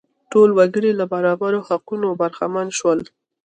ټول وګړي له برابرو حقونو برخمن شول.